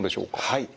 はい。